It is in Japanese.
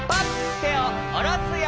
てをおろすよ。